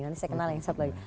nanti saya kenal yang satu lagi